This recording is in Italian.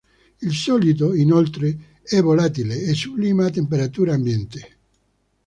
Il solido, inoltre, è volatile e sublima a temperatura ambiente.